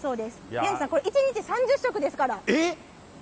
宮根さん、これ、１日３０食ですから。